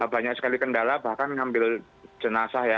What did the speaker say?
banyak sekali kendala bahkan ngambil jenazah ya